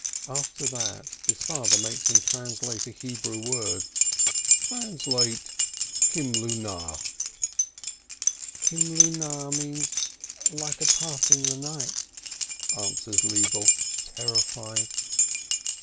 After that his father makes him translate a Hebrew word. "Translate Kimlunah !" "Kimlunah means 'like a passing the night,' " answers Lebele, terrified.